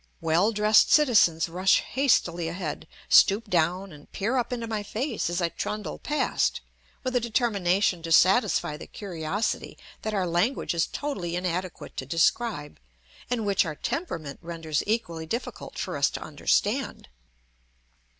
Well dressed citizens rush hastily ahead, stoop down, and peer up into my face as I trundle past, with a determination to satisfy their curiosity that our language is totally inadequate to describe, and which our temperament renders equally difficult for us to understand.